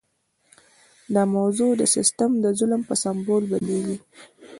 دا موضوع د سیستم د ظلم په سمبول بدلیږي.